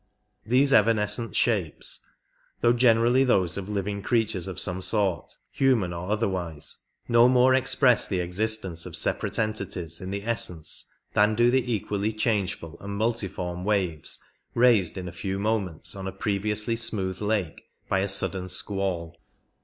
These evanescent shapes, though generally those of living creatures of some sort, human or otherwise, no more express the existence of separate entities in the essence than do the equally changeful and multiform waves raised in a few moments on a previously smooth lake by a sudden squall.